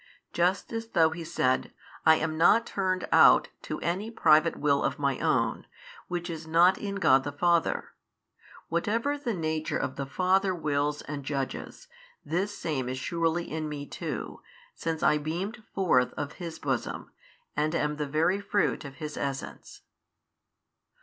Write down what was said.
Just as though He said, I am not turned out to any private will of My own, which is not in God the Father. Whatever the Nature of the Father wills and judges, this same is surely in Me too, since I beamed forth of His Bosom, and am the Very Fruit of His Essence.